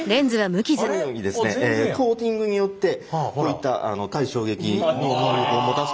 このようにですねコーティングによってこういった耐衝撃の能力を持たすことができます。